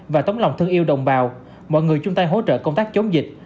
và tấm lòng thương yêu đồng bào mọi người chung tay hỗ trợ công tác chống dịch